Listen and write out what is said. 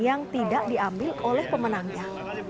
yang tidak diambil oleh pemenangnya